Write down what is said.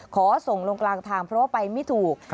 ขอส่งลงกลางทางเพราะว่าไปไม่ถูก